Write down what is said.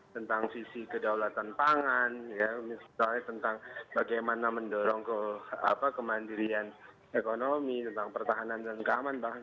tentang sisi kedaulatan pangan misalnya tentang bagaimana mendorong kemandirian ekonomi tentang pertahanan dan keamanan